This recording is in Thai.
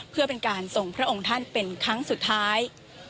เพื่อเป็นการส่งพระองค์ท่านเป็นครั้งสุดท้าย